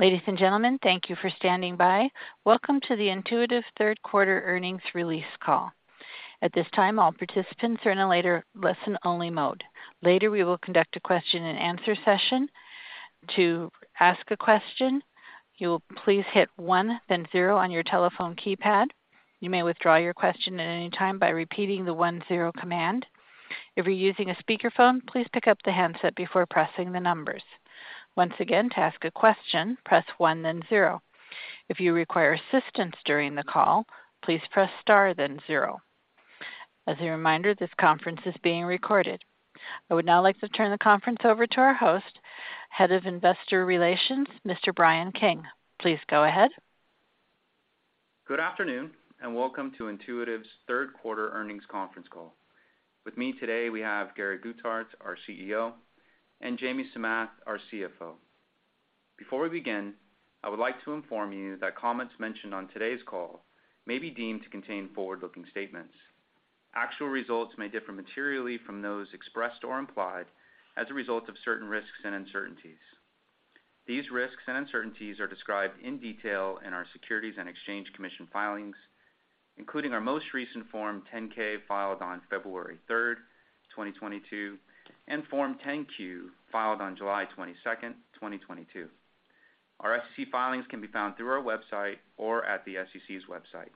Ladies and gentlemen, thank you for standing by. Welcome to the Intuitive Q3 Earnings Release Call. At this time, all participants are in a listen-only mode. Later, we will conduct a Q&A session. To ask a question, you'll please hit one then zero on your telephone keypad. You may withdraw your question at any time by repeating the one-zero command. If you're using a speakerphone, please pick up the handset before pressing the numbers. Once again, to ask a question, press one then zero. If you require assistance during the call, please press star then zero. As a reminder, this conference is being recorded. I would now like to turn the conference over to our host, Head of Investor Relations, Mr. Brian King. Please go ahead. Good afternoon, and welcome to Intuitive's Q3 earnings conference call. With me today, we have Gary Guthart, our CEO, and Jamie Samath, our CFO. Before we begin, I would like to inform you that comments mentioned on today's call may be deemed to contain forward-looking statements. Actual results may differ materially from those expressed or implied as a result of certain risks and uncertainties. These risks and uncertainties are described in detail in our Securities and Exchange Commission filings, including our most recent Form 10-K filed on February third, 2022, and Form 10-Q, filed on July twenty-second, 2022. Our SEC filings can be found through our website or at the SEC's website.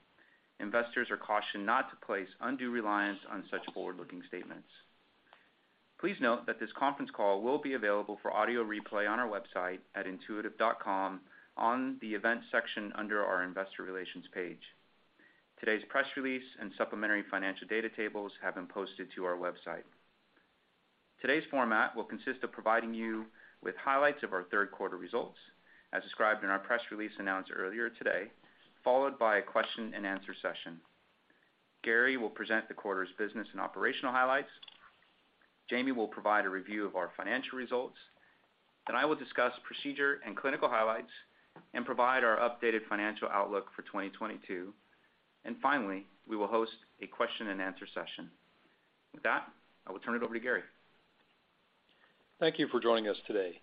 Investors are cautioned not to place undue reliance on such forward-looking statements. Please note that this conference call will be available for audio replay on our website at intuitive.com on the Events section under our Investor Relations page. Today's press release and supplementary financial data tables have been posted to our website. Today's format will consist of providing you with highlights of our Q3 results, as described in our press release announced earlier today, followed by a Q&A session. Gary will present the quarter's business and operational highlights. Jamie will provide a review of our financial results, then I will discuss procedure and clinical highlights and provide our updated financial outlook for 2022. Finally, we will host a question-and-answer session. With that, I will turn it over to Gary. Thank you for joining us today.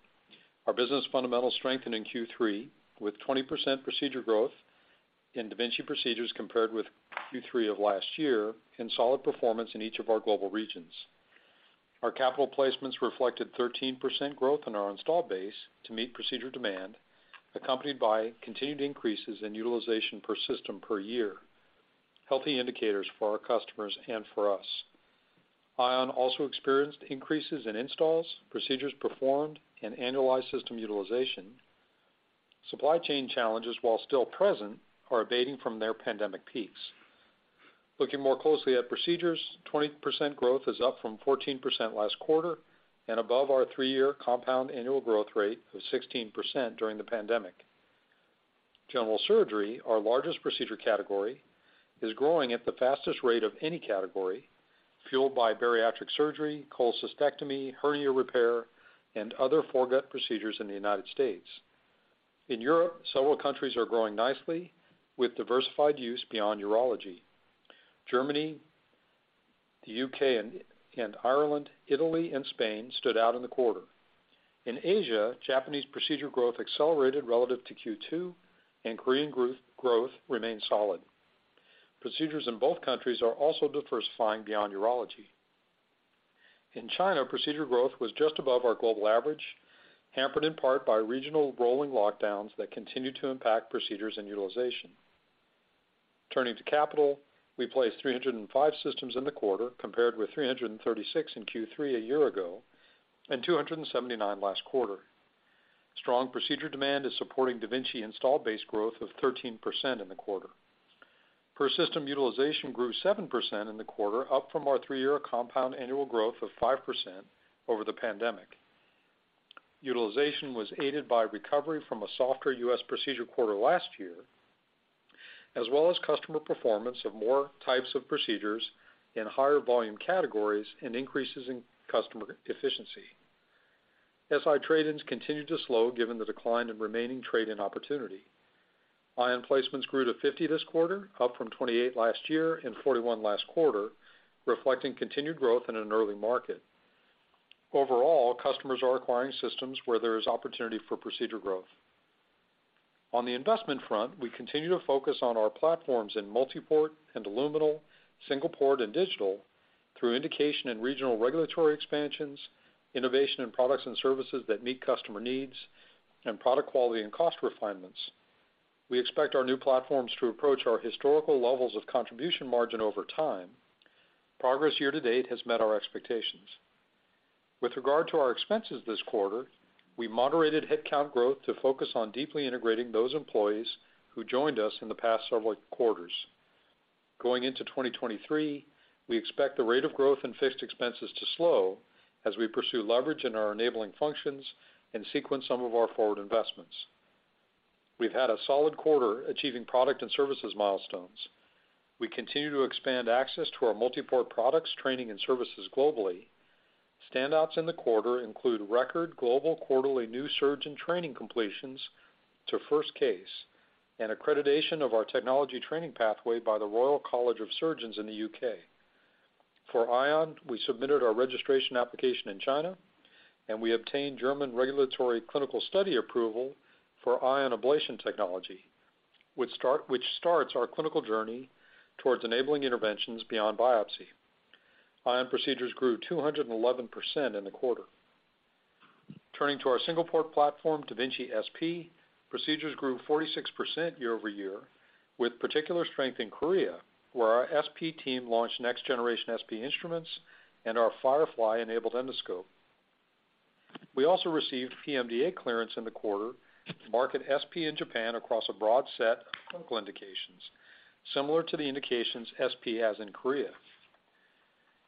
Our business fundamentals strengthened in Q3, with 20% procedure growth in da Vinci procedures compared with Q3 of last year, and solid performance in each of our global regions. Our capital placements reflected 13% growth in our installed base to meet procedure demand, accompanied by continued increases in utilization per system per year, healthy indicators for our customers and for us. Ion also experienced increases in installs, procedures performed, and annualized system utilization. Supply chain challenges, while still present, are abating from their pandemic peaks. Looking more closely at procedures, 20% growth is up from 14% last quarter and above our three year compound annual growth rate of 16% during the pandemic. General surgery, our largest procedure category, is growing at the fastest rate of any category, fueled by bariatric surgery, cholecystectomy, hernia repair, and other foregut procedures in the United States. In Europe, several countries are growing nicely with diversified use beyond urology. Germany, the U.K. and Ireland, Italy, and Spain stood out in the quarter. In Asia, Japanese procedure growth accelerated relative to Q2, and Korean growth remained solid. Procedures in both countries are also diversifying beyond urology. In China, procedure growth was just above our global average, hampered in part by regional rolling lockdowns that continued to impact procedures and utilization. Turning to capital, we placed 305 systems in the quarter, compared with 336 in Q3 a year ago and 279 last quarter. Strong procedure demand is supporting da Vinci installed base growth of 13% in the quarter. Per system utilization grew 7% in the quarter, up from our three year compound annual growth of 5% over the pandemic. Utilization was aided by recovery from a softer US procedure quarter last year, as well as customer performance of more types of procedures in higher volume categories and increases in customer efficiency. SI trade-ins continued to slow given the decline in remaining trade-in opportunity. Ion placements grew to 50 this quarter, up from 28 last year and 41 last quarter, reflecting continued growth in an early market. Overall, customers are acquiring systems where there is opportunity for procedure growth. On the investment front, we continue to focus on our platforms in multi-port and endoluminal, single-port and digital through indication and regional regulatory expansions, innovation in products and services that meet customer needs, and product quality and cost refinements. We expect our new platforms to approach our historical levels of contribution margin over time. Progress year to date has met our expectations. With regard to our expenses this quarter, we moderated headcount growth to focus on deeply integrating those employees who joined us in the past several quarters. Going into 2023, we expect the rate of growth in fixed expenses to slow as we pursue leverage in our enabling functions and sequence some of our forward investments. We've had a solid quarter achieving product and services milestones. We continue to expand access to our multi-port products, training, and services globally. Standouts in the quarter include record global quarterly new surgeon training completions to first case, and accreditation of our technology training pathway by the Royal College of Surgeons in the U.K. For Ion, we submitted our registration application in China, and we obtained German regulatory clinical study approval for Ion ablation technology, which starts our clinical journey towards enabling interventions beyond biopsy. Ion procedures grew 211% in the quarter. Turning to our single-port platform, da Vinci SP, procedures grew 46% year-over-year, with particular strength in Korea, where our SP team launched next-generation SP instruments and our Firefly-enabled endoscope. We also received PMDA clearance in the quarter to market SP in Japan across a broad set of clinical indications, similar to the indications SP has in Korea.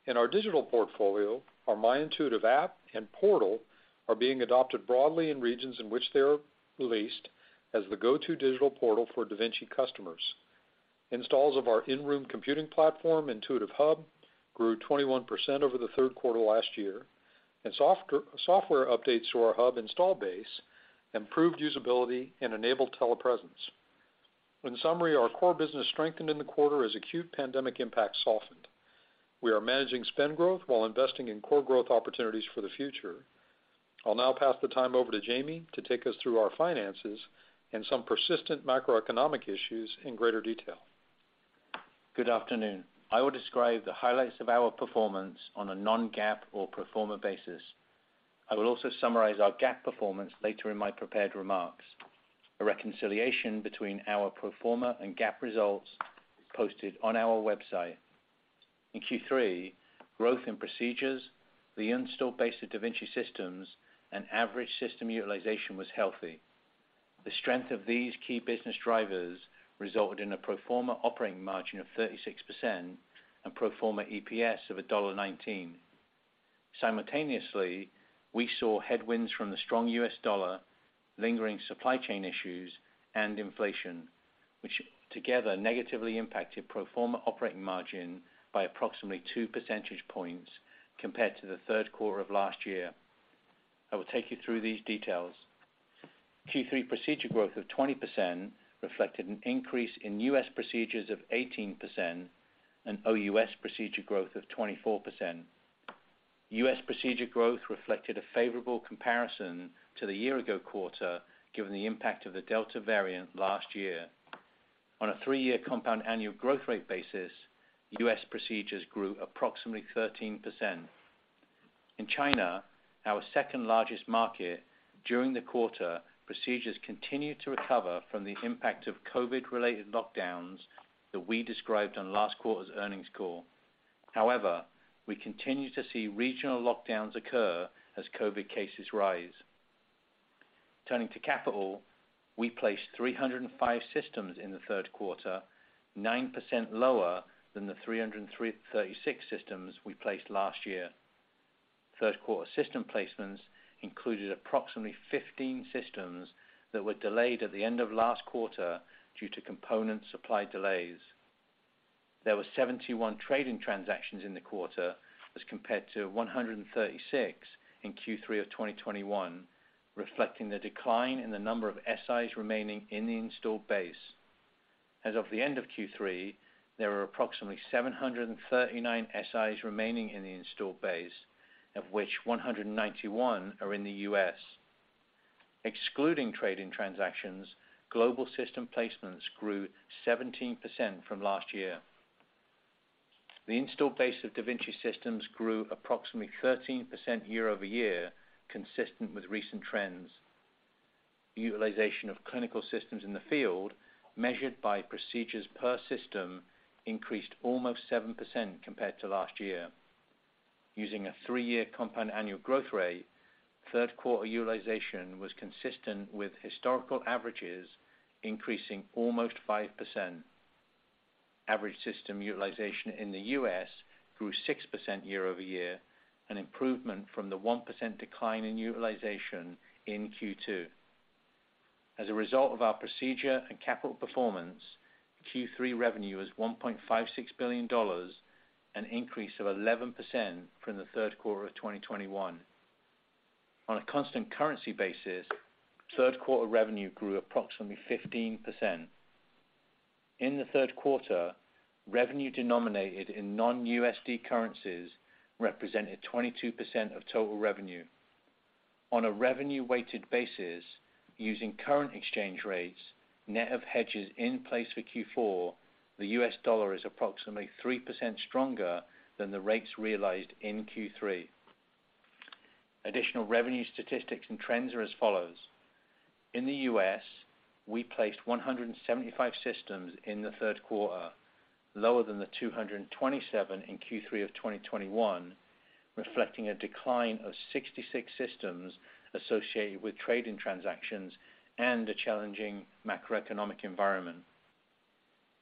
In our digital portfolio, our My Intuitive app and portal are being adopted broadly in regions in which they are released as the go-to digital portal for da Vinci customers. Installs of our in-room computing platform, Intuitive Hub, grew 21% over the Q3 last year, and software updates to our Hub install base improved usability and enabled telepresence. In summary, our core business strengthened in the quarter as acute pandemic impact softened. We are managing spend growth while investing in core growth opportunities for the future. I'll now pass the time over to Jamie to take us through our finances and some persistent macroeconomic issues in greater detail. Good afternoon. I will describe the highlights of our performance on a non-GAAP or pro forma basis. I will also summarize our GAAP performance later in my prepared remarks. A reconciliation between our pro forma and GAAP results is posted on our website. In Q3, growth in procedures, the installed base of da Vinci systems, and average system utilization was healthy. The strength of these key business drivers resulted in a pro forma operating margin of 36% and pro forma EPS of $1.19. Simultaneously, we saw headwinds from the strong US dollar, lingering supply chain issues, and inflation, which together negatively impacted pro forma operating margin by approximately two percentage points compared to the Q3 of last year. I will take you through these details. Q3 procedure growth of 20% reflected an increase in U.S. procedures of 18% and OUS procedure growth of 24%. U.S. procedure growth reflected a favorable comparison to the year ago quarter, given the impact of the Delta variant last year. On a three year compound annual growth rate basis, U.S. procedures grew approximately 13%. In China, our second-largest market, during the quarter, procedures continued to recover from the impact of COVID-related lockdowns that we described on last quarter's earnings call. However, we continue to see regional lockdowns occur as COVID cases rise. Turning to capital, we placed 305 systems in the Q3, 9% lower than the 336 systems we placed last year. Q3 system placements included approximately 15 systems that were delayed at the end of last quarter due to component supply delays. There were 71 trade-in transactions in the quarter as compared to 136 in Q3 of 2021, reflecting the decline in the number of SIs remaining in the installed base. As of the end of Q3, there were approximately 739 SIs remaining in the installed base, of which 191 are in the U.S. Excluding trade-in transactions, global system placements grew 17% from last year. The installed base of da Vinci systems grew approximately 13% year-over-year, consistent with recent trends. Utilization of clinical systems in the field, measured by procedures per system, increased almost 7% compared to last year. Using a three-year compound annual growth rate, Q3 utilization was consistent with historical averages, increasing almost 5%. Average system utilization in the U.S. grew 6% year-over-year, an improvement from the 1% decline in utilization in Q2. As a result of our procedure and capital performance, Q3 revenue was $1.56 billion, an increase of 11% from the Q3 of 2021. On a constant currency basis, Q3 revenue grew approximately 15%. In the Q3, revenue denominated in non-USD currencies represented 22% of total revenue. On a revenue-weighted basis, using current exchange rates, net of hedges in place for Q4, the U.S. dollar is approximately 3% stronger than the rates realized in Q3. Additional revenue statistics and trends are as follows. In the U.S., we placed 175 systems in the Q3, lower than the 227 in Q3 of 2021, reflecting a decline of 66 systems associated with trade-in transactions and a challenging macroeconomic environment.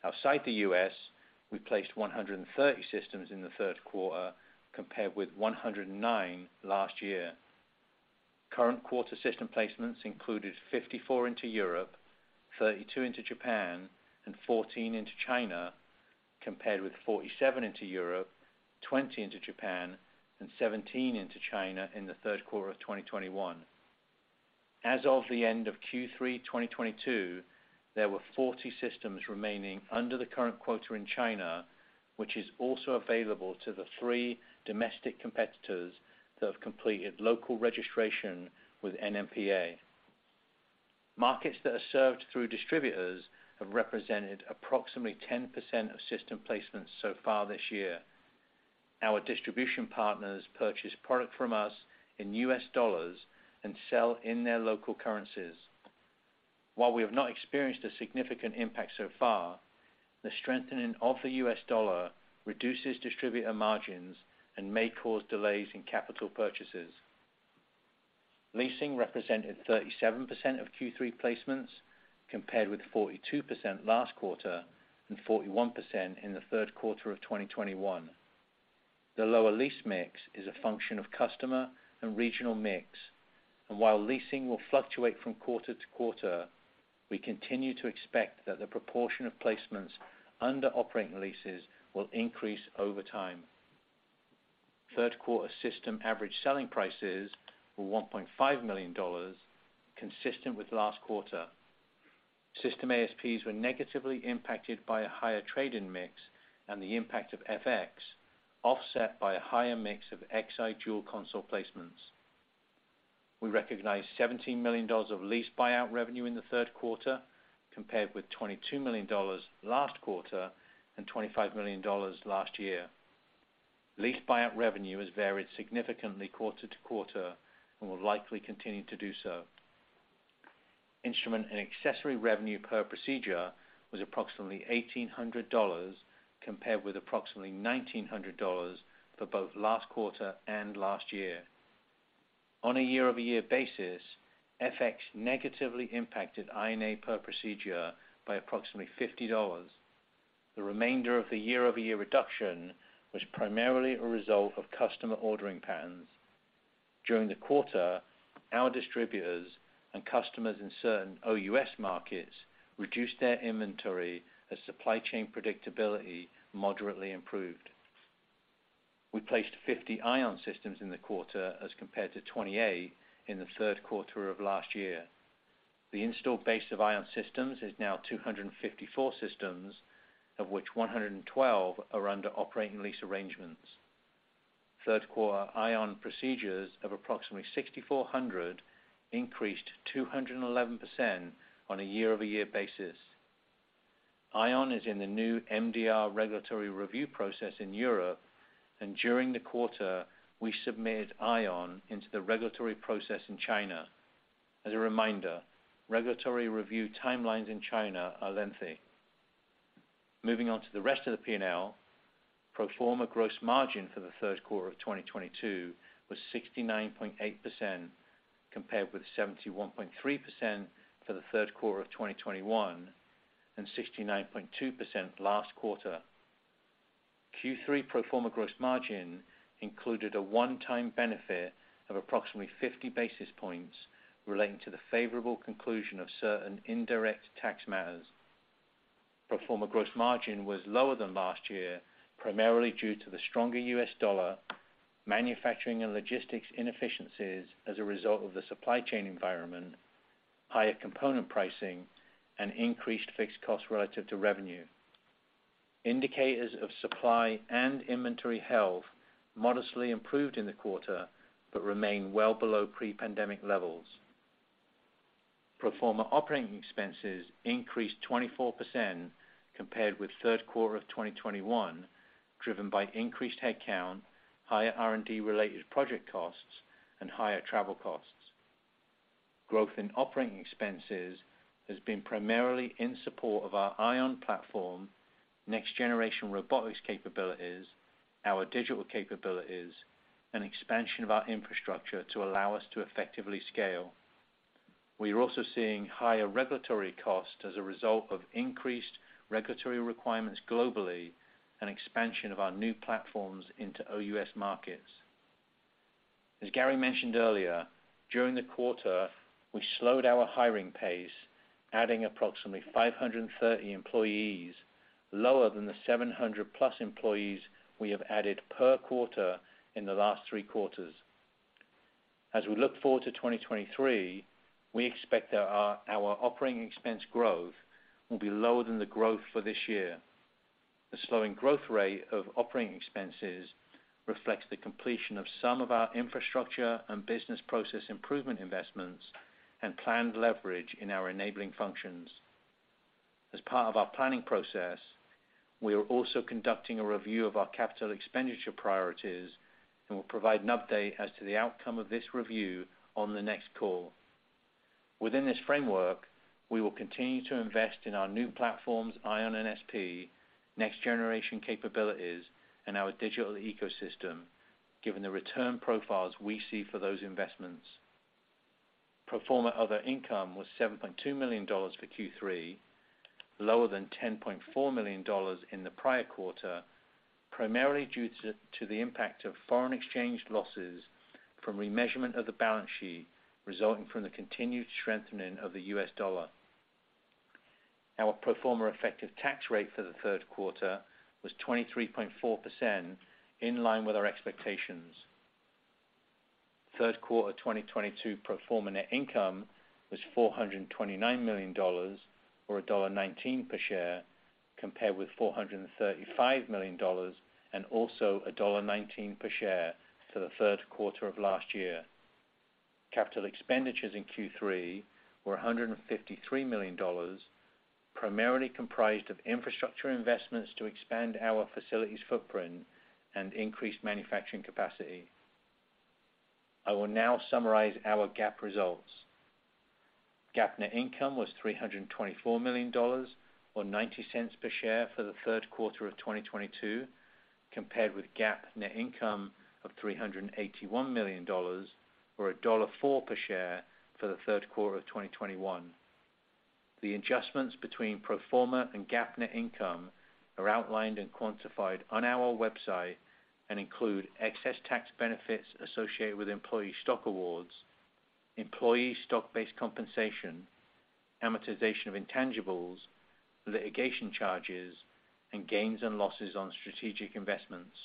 Outside the U.S., we placed 130 systems in the Q3, compared with 109 last year. Current quarter system placements included 54 into Europe, 32 into Japan, and 14 into China, compared with 47 into Europe, 20 into Japan, and 17 into China in the Q3 of 2021. As of the end of Q3 2022, there were 40 systems remaining under the current quota in China, which is also available to the three domestic competitors that have completed local registration with NMPA. Markets that are served through distributors have represented approximately 10% of system placements so far this year. Our distribution partners purchase. Product from us in U.S. dollars and sell in their local currencies. While we have not experienced a significant impact so far, the strengthening of the U.S. dollar reduces distributor margins and may cause delays in capital purchases. Leasing represented 37% of Q3 placements, compared with 42% last quarter and 41% in the Q3 of 2021. The lower lease mix is a function of customer and regional mix, and while leasing will fluctuate from quarter to quarter, we continue to expect that the proportion of placements under operating leases will increase over time. Q3 system average selling prices were $1.5 million, consistent with last quarter. System ASPs were negatively impacted by a higher trade-in mix and the impact of FX, offset by a higher mix of XI dual console placements. We recognized $17 million of lease buyout revenue in the Q3, compared with $22 million last quarter and $25 million last year. Lease buyout revenue has varied significantly quarter to quarter and will likely continue to do so. Instrument and accessory revenue per procedure was approximately $1,800, compared with approximately $1,900 for both last quarter and last year. On a year-over-year basis, FX negatively impacted INA per procedure by approximately $50. The remainder of the year-over-year reduction was primarily a result of customer ordering patterns. During the quarter, our distributors and customers in certain OUS markets reduced their inventory as supply chain predictability moderately improved. We placed 50 Ion systems in the quarter, as compared to 28 in the Q3 of last year. The installed base of Ion systems is now 254 systems, of which 112 are under operating lease arrangements. Q3 Ion procedures of approximately 6,400 increased 211% on a year-over-year basis. Ion is in the new MDR regulatory review process in Europe, and during the quarter, we submitted Ion into the regulatory process in China. As a reminder, regulatory review timelines in China are lengthy. Moving on to the rest of the P&L, pro forma gross margin for the Q3 of 2022 was 69.8% compared with 71.3% for the Q3 of 2021 and 69.2% last quarter. Q3 pro forma gross margin included a one-time benefit of approximately 50 basis points relating to the favorable conclusion of certain indirect tax matters. Pro forma gross margin was lower than last year, primarily due to the stronger U.S. dollar, manufacturing and logistics inefficiencies as a result of the supply chain environment, higher component pricing, and increased fixed costs relative to revenue. Indicators of supply and inventory health modestly improved in the quarter, but remain well below pre-pandemic levels. Pro forma operating expenses increased 24% compared with Q3 of 2021, driven by increased headcount, higher R&D-related project costs, and higher travel costs. Growth in operating expenses has been primarily in support of our Ion platform, next-generation robotics capabilities, our digital capabilities, and expansion of our infrastructure to allow us to effectively scale. We are also seeing higher regulatory costs as a result of increased regulatory requirements globally and expansion of our new platforms into OUS markets. As Gary mentioned earlier, during the quarter, we slowed our hiring pace, adding approximately 530 employees, lower than the 700+ employees we have added per quarter in the last three quarters. As we look forward to 2023, we expect that our operating expense growth will be lower than the growth for this year. The slowing growth rate of operating expenses reflects the completion of some of our infrastructure and business process improvement investments and planned leverage in our enabling functions. As part of our planning process, we are also conducting a review of our capital expenditure priorities, and we'll provide an update as to the outcome of this review on the next call. Within this framework, we will continue to invest in our new platforms, Ion and SP, next-generation capabilities, and our digital ecosystem, given the return profiles we see for those investments. Pro forma other income was $7.2 million for Q3, lower than $10.4 million in the prior quarter, primarily due to the impact of foreign exchange losses from remeasurement of the balance sheet resulting from the continued strengthening of the U.S. dollar. Our pro forma effective tax rate for the Q3 was 23.4%, in line with our expectations. Q3 2022 pro forma net income was $429 million, or $1.19 per share, compared with $435 million and also $1.19 per share for the Q3 of last year. Capital expenditures in Q3 were $153 million, primarily comprised of infrastructure investments to expand our facilities footprint and increase manufacturing capacity. I will now summarize our GAAP results. GAAP net income was $324 million, or $0.90 per share for the Q3 of 2022, compared with GAAP net income of $381 million, or $1.04 per share for the Q3 of 2021. The adjustments between pro forma and GAAP net income are outlined and quantified on our website and include excess tax benefits associated with employee stock awards, employee stock-based compensation, amortization of intangibles, litigation charges, and gains and losses on strategic investments.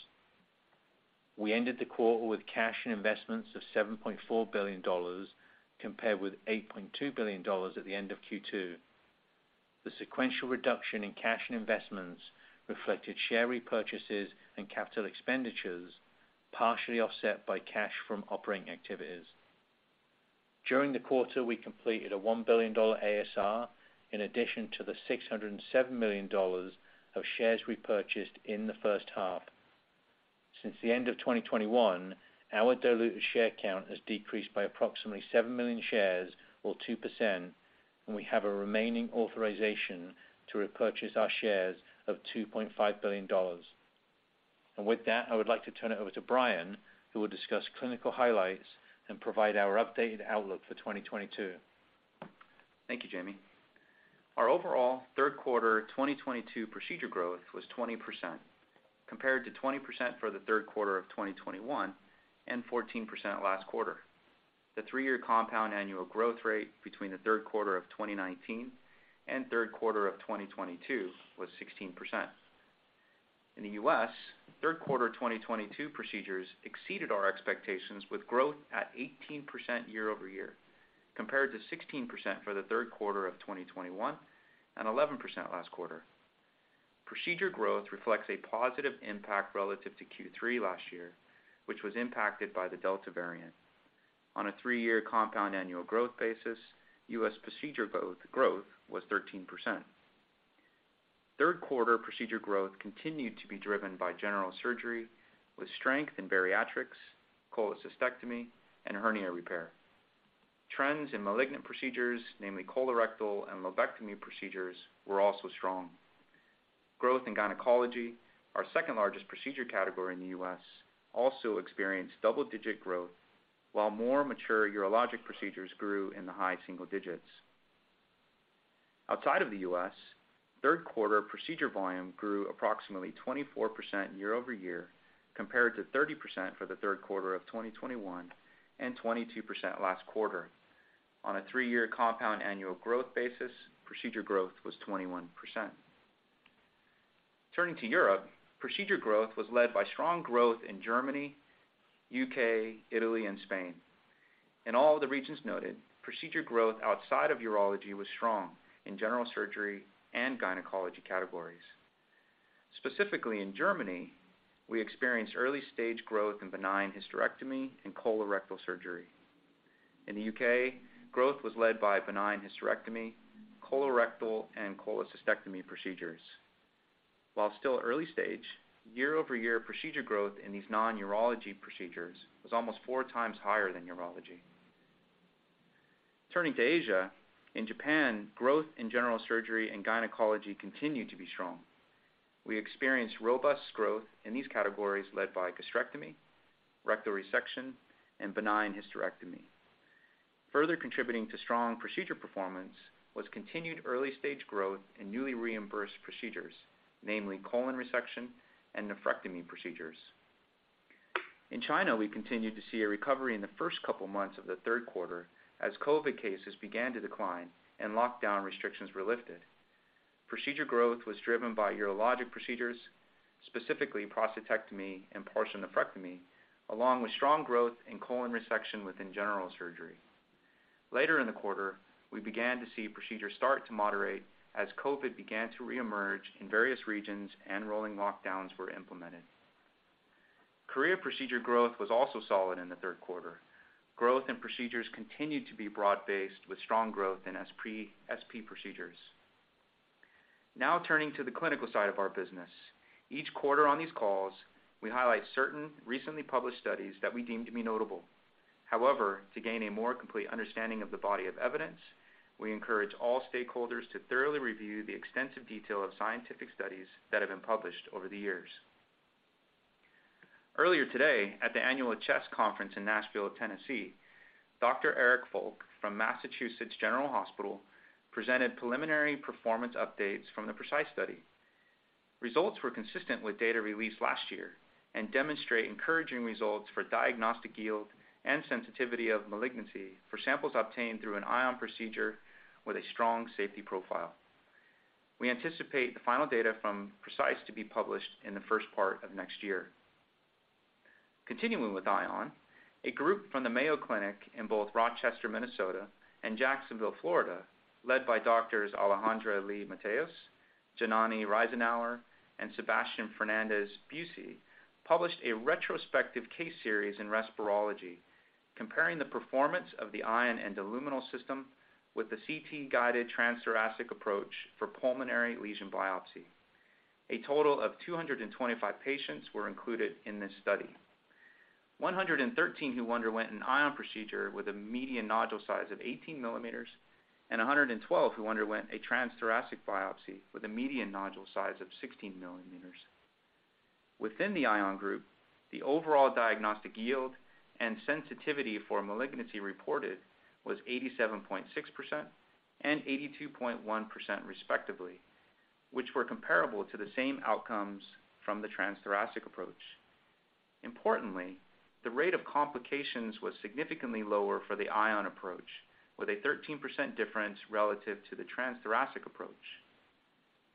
We ended the quarter with cash and investments of $7.4 billion, compared with $8.2 billion at the end of Q2. The sequential reduction in cash and investments reflected share repurchases and capital expenditures, partially offset by cash from operating activities. During the quarter, we completed a $1 billion ASR in addition to the $607 million of shares repurchased in the H1. Since the end of 2021, our diluted share count has decreased by approximately 7 million shares, or 2%, and we have a remaining authorization to repurchase our shares of $2.5 billion. With that, I would like to turn it over to Brian, who will discuss clinical highlights and provide our updated outlook for 2022. Thank you, Jamie. Our overall Q3 2022 procedure growth was 20%, compared to 20% for the Q3 of 2021 and 14% last quarter. The three year compound annual growth rate between the Q3 of 2019 and Q3 of 2022 was 16%. In the U.S., Q3 2022 procedures exceeded our expectations with growth at 18% year-over-year, compared to 16% for the Q3 of 2021 and 11% last quarter. Procedure growth reflects a positive impact relative to Q3 last year, which was impacted by the Delta variant. On a three-year compound annual growth basis, U.S. procedure growth was 13%. Q3 procedure growth continued to be driven by general surgery with strength in bariatrics, cholecystectomy, and hernia repair. Trends in malignant procedures, namely colorectal and lobectomy procedures, were also strong. Growth in gynecology, our second-largest procedure category in the U.S., also experienced double-digit growth, while more mature urologic procedures grew in the high single digits. Outside of the U.S., Q3 procedure volume grew approximately 24% year-over-year, compared to 30% for the Q3 of 2021 and 22% last quarter. On a three year compound annual growth basis, procedure growth was 21%. Turning to Europe, procedure growth was led by strong growth in Germany, U.K., Italy, and Spain. In all the regions noted, procedure growth outside of urology was strong in general surgery and gynecology categories. Specifically in Germany, we experienced early stage growth in benign hysterectomy and colorectal surgery. In the U.K., growth was led by benign hysterectomy, colorectal and cholecystectomy procedures. While still early stage, year-over-year procedure growth in these non-urology procedures was almost 4x higher than urology. Turning to Asia, in Japan, growth in general surgery and gynecology continued to be strong. We experienced robust growth in these categories led by gastrectomy, rectal resection, and benign hysterectomy. Further contributing to strong procedure performance was continued early stage growth in newly reimbursed procedures, namely colon resection and nephrectomy procedures. In China, we continued to see a recovery in the first couple months of the Q3 as COVID cases began to decline and lockdown restrictions were lifted. Procedure growth was driven by urologic procedures, specifically prostatectomy and partial nephrectomy, along with strong growth in colon resection within general surgery. Later in the quarter, we began to see procedures start to moderate as COVID began to reemerge in various regions and rolling lockdowns were implemented. Korea procedure growth was also solid in the Q3. Growth in procedures continued to be broad-based with strong growth in SP procedures. Now turning to the clinical side of our business. Each quarter on these calls, we highlight certain recently published studies that we deem to be notable. However, to gain a more complete understanding of the body of evidence, we encourage all stakeholders to thoroughly review the extensive detail of scientific studies that have been published over the years. Earlier today, at the annual CHEST Conference in Nashville, Tennessee, Dr. Erik Folch from Massachusetts General Hospital presented preliminary performance updates from the PRECIsE study. Results were consistent with data released last year and demonstrate encouraging results for diagnostic yield and sensitivity of malignancy for samples obtained through an Ion procedure with a strong safety profile. We anticipate the final data from PRECIsE to be published in the first part of next year. Continuing with Ion, a group from the Mayo Clinic in both Rochester, Minnesota, and Jacksonville, Florida, led by doctors Alejandra Yu Lee-Mateus, Janani Reisenauer, and Sebastian Fernandez-Bussy, published a retrospective case series in Respirology comparing the performance of the Ion endoluminal system with the CT-guided transthoracic approach for pulmonary lesion biopsy. A total of 225 patients were included in this study. 113 who underwent an Ion procedure with a median nodule size of 18 mm, and 112 who underwent a transthoracic biopsy with a median nodule size of 16 mm. Within the Ion group, the overall diagnostic yield and sensitivity for malignancy reported was 87.6% and 82.1% respectively, which were comparable to the same outcomes from the transthoracic approach. Importantly, the rate of complications was significantly lower for the Ion approach, with a 13% difference relative to the transthoracic approach.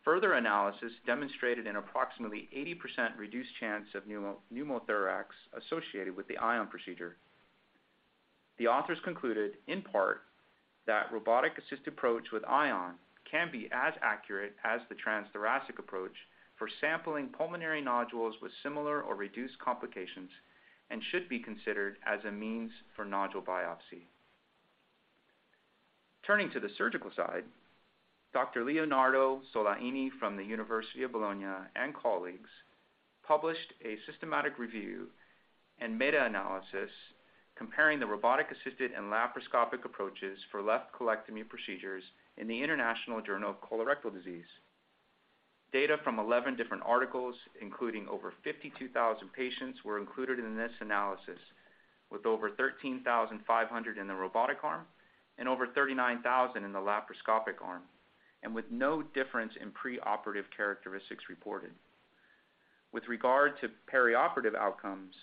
Further analysis demonstrated an approximately 80% reduced chance of pneumothorax associated with the Ion procedure. The authors concluded, in part, that robotic-assisted approach with Ion can be as accurate as the transthoracic approach for sampling pulmonary nodules with similar or reduced complications and should be considered as a means for nodule biopsy. Turning to the surgical side, Dr. Leonardo Solaini from the University of Bologna and colleagues published a systematic review and meta-analysis comparing the robotic-assisted and laparoscopic approaches for left colectomy procedures in the International Journal of Colorectal Disease. Data from 11 different articles, including over 52,000 patients, were included in this analysis, with over 13,500 in the robotic arm and over 39,000 in the laparoscopic arm, and with no difference in preoperative characteristics reported. With regard to perioperative outcomes,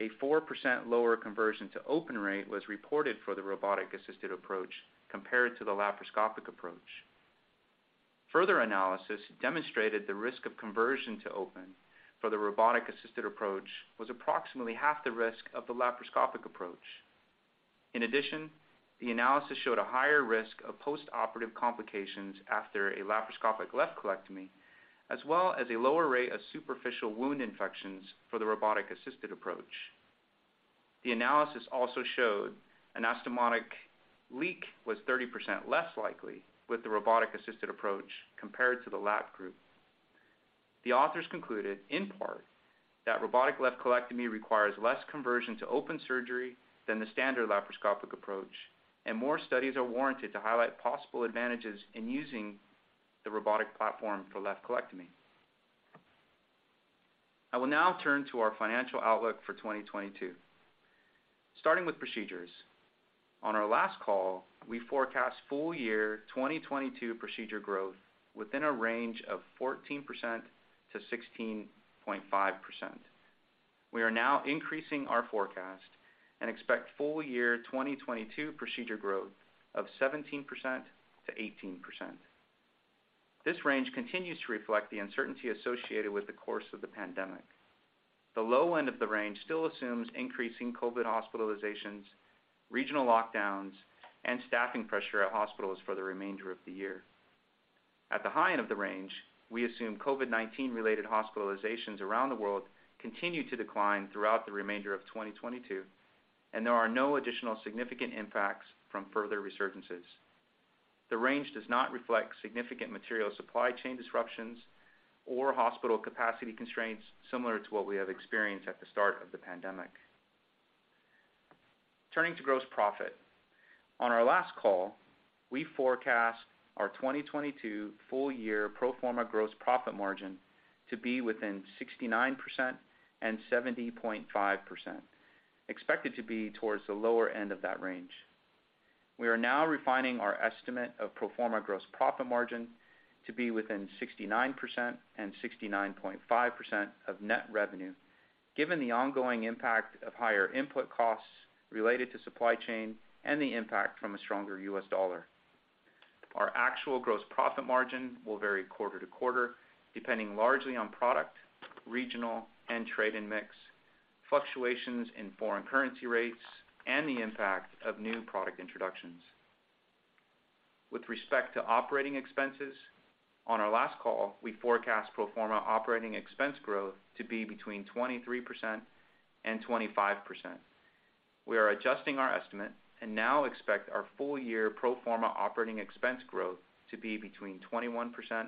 a 4% lower conversion to open rate was reported for the robotic-assisted approach compared to the laparoscopic approach. Further analysis demonstrated the risk of conversion to open for the robotic-assisted approach was approximately half the risk of the laparoscopic approach. In addition, the analysis showed a higher risk of postoperative complications after a laparoscopic left colectomy, as well as a lower rate of superficial wound infections for the robotic-assisted approach. The analysis also showed anastomotic leak was 30% less likely with the robotic-assisted approach compared to the lap group. The authors concluded, in part, that robotic left colectomy requires less conversion to open surgery than the standard laparoscopic approach, and more studies are warranted to highlight possible advantages in using the robotic platform for left colectomy. I will now turn to our financial outlook for 2022. Starting with procedures. On our last call, we forecast full year 2022 procedure growth within a range of 14%-16.5%. We are now increasing our forecast and expect full year 2022 procedure growth of 17%-18%. This range continues to reflect the uncertainty associated with the course of the pandemic. The low end of the range still assumes increasing COVID hospitalizations, regional lockdowns, and staffing pressure at hospitals for the remainder of the year. At the high end of the range, we assume COVID-19 related hospitalizations around the world continue to decline throughout the remainder of 2022, and there are no additional significant impacts from further resurgences. The range does not reflect significant material supply chain disruptions or hospital capacity constraints similar to what we have experienced at the start of the pandemic. Turning to gross profit. On our last call, we forecast our 2022 full year pro forma gross profit margin to be within 69%-70.5%, expected to be towards the lower end of that range. We are now refining our estimate of pro forma gross profit margin to be within 69%-69.5% of net revenue, given the ongoing impact of higher input costs related to supply chain and the impact from a stronger U.S. dollar. Our actual gross profit margin will vary quarter to quarter, depending largely on product, regional and trade and mix, fluctuations in foreign currency rates, and the impact of new product introductions. With respect to operating expenses, on our last call, we forecast pro forma operating expense growth to be between 23%-25%. We are adjusting our estimate and now expect our full year pro forma operating expense growth to be between 21%-23%.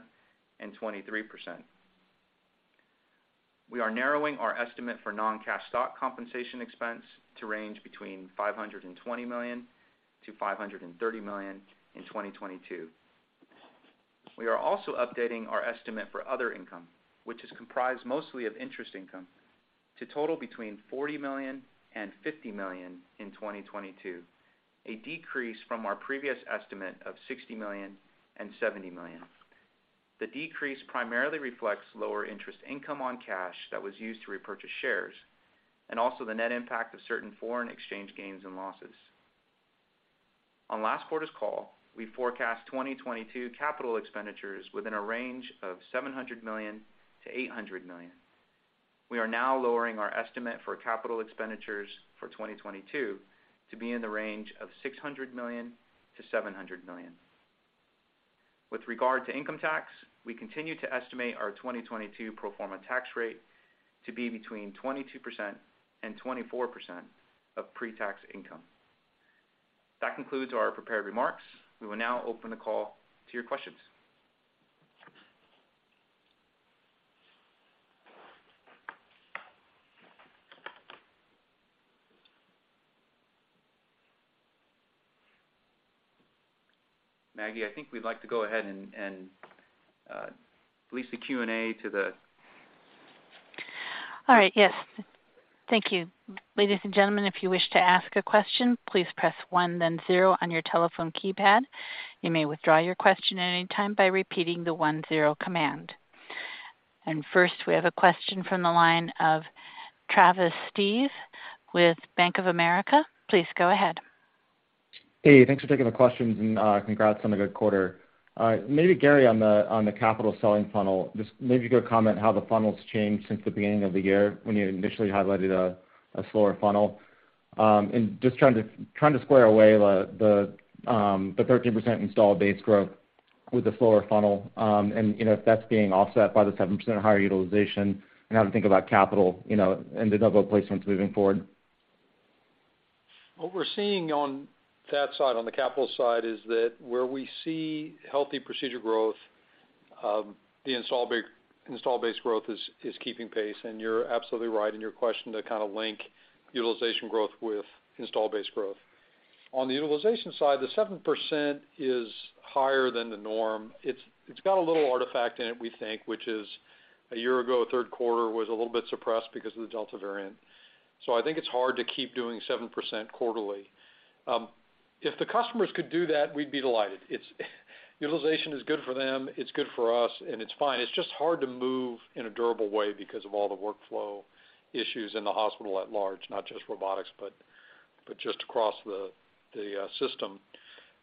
We are narrowing our estimate for non-cash stock compensation expense to range between $520 million-$530 million in 2022. We are also updating our estimate for other income, which is comprised mostly of interest income to total between $40-$50 million in 2022, a decrease from our previous estimate of $60 million-$70 million. The decrease primarily reflects lower interest income on cash that was used to repurchase shares and also the net impact of certain foreign exchange gains and losses. On last quarter's call, we forecast 2022 capital expenditures within a range of $700 million-$800 million. We are now lowering our estimate for capital expenditures for 2022 to be in the range of $600 million-$700 million. With regard to income tax, we continue to estimate our 2022 pro forma tax rate to be between 22% and 24% of pre-tax income. That concludes our prepared remarks. We will now open the call to your questions. Maggie, I think we'd like to go ahead and release the Q&A to the- All right. Yes. Thank you. Ladies and gentlemen, if you wish to ask a question, please press one then zero on your telephone keypad. You may withdraw your question at any time by repeating the one zero command. First, we have a question from the line of Travis Steed with Bank of America. Please go ahead. Hey, thanks for taking the questions, and congrats on a good quarter. Maybe Gary, on the capital selling funnel, just maybe you could comment how the funnel's changed since the beginning of the year when you initially highlighted a slower funnel. Just trying to square away the 13% installed base growth with the slower funnel, and you know, if that's being offset by the 7% higher utilization and how to think about capital, you know, and the number of placements moving forward. What we're seeing on that side, on the capital side, is that where we see healthy procedure growth, the install base growth is keeping pace. You're absolutely right in your question to kind of link utilization growth with install base growth. On the utilization side, the 7% is higher than the norm. It's got a little artifact in it, we think, which is a year ago, Q3 was a little bit suppressed because of the Delta variant. I think it's hard to keep doing 7% quarterly. If the customers could do that, we'd be delighted. It's utilization is good for them, it's good for us, and it's fine. It's just hard to move in a durable way because of all the workflow issues in the hospital at large, not just robotics, but just across the system.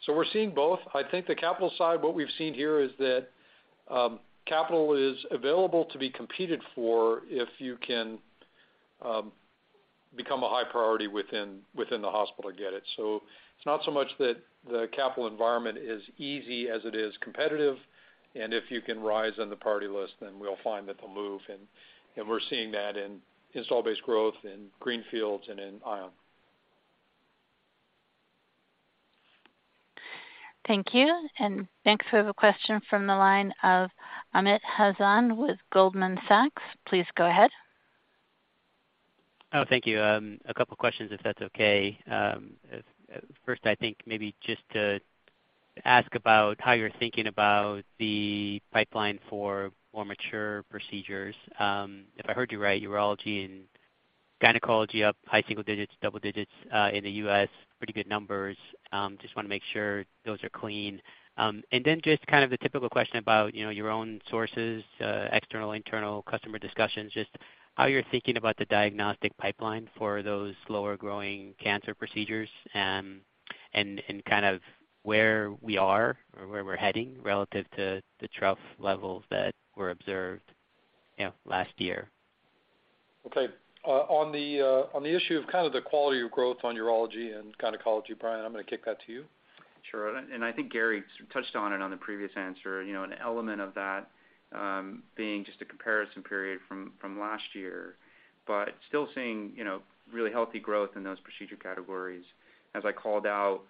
We're seeing both. I think the capital side, what we've seen here is that capital is available to be competed for if you can become a high priority within the hospital to get it. It's not so much that the capital environment is easy as it is competitive, and if you can rise on the priority list, then we'll find that they'll move. And we're seeing that in installed base growth in greenfields and in Ion. Thank you. Next we have a question from the line of Amit Hazan with Goldman Sachs. Please go ahead. Oh, thank you. A couple questions if that's okay. First, I think maybe just to ask about how you're thinking about the pipeline for more mature procedures. If I heard you right, urology and gynecology up high single-digit, double-digit, in the U.S., pretty good numbers. Just wanna make sure those are clean. And then just kind of the typical question about, you know, your own sources, external, internal customer discussions, just how you're thinking about the diagnostic pipeline for those slower-growing cancer procedures, and kind of where we are or where we're heading relative to the trough levels that were observed, you know, last year. Okay. On the issue of kind of the quality of growth on urology and gynecology, Brian, I'm gonna kick that to you. Sure. I think Gary touched on it in the previous answer. You know, an element of that being just a comparison period from last year, but still seeing, you know, really healthy growth in those procedure categories. As I called out,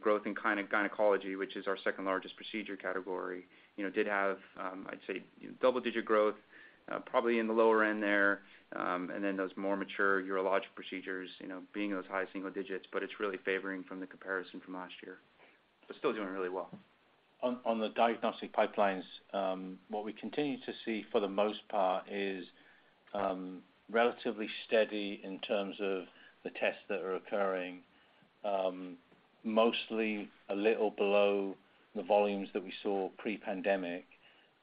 growth in gynecology, which is our second-largest procedure category, you know, did have, I'd say double-digit growth, probably in the lower end there. And then those more mature urologic procedures, you know, being those high single digits, but it's really favoring from the comparison from last year. Still doing really well. The diagnostic pipelines, what we continue to see for the most part is relatively steady in terms of the tests that are occurring, mostly a little below the volumes that we saw pre-pandemic.